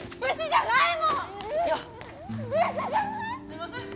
すいません。